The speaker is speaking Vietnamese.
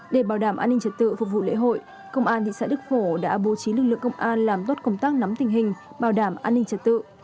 để bảo đảm an ninh trật tự phục vụ lễ hội công an thị xã đức phổ đã bố trí lực lượng công an làm tốt công tác nắm tình hình bảo đảm an ninh trật tự